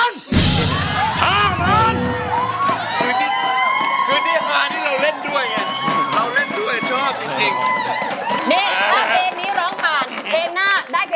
น้องมีแฟนไหม